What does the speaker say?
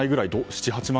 ７８万？